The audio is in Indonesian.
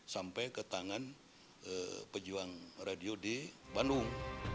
sampai ke tangan pejuang radio di bandung